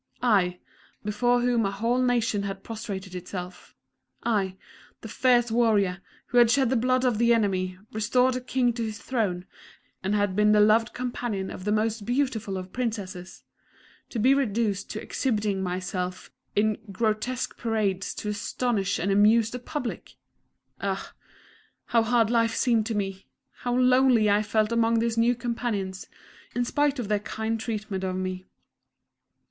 I, the "King Magnanimous," before whom a whole nation had prostrated itself I, the fierce warrior, who had shed the blood of the enemy, restored a King to his throne, and had been the loved companion of the most beautiful of Princesses to be reduced to exhibiting myself in grotesque parades to astonish and amuse the public!... Ah! how hard life seemed to me! How lonely I felt among these new companions, in spite of their kind treatment of me!